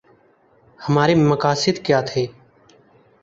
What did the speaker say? ہمارے مقاصد کیا تھے؟